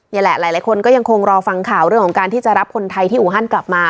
หลายคนก็ยังคงรอฟังข่าวเรื่องของการที่จะรับคนไทยที่อูฮันกลับมา